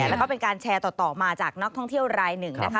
แล้วก็เป็นการแชร์ต่อมาจากนักท่องเที่ยวรายหนึ่งนะคะ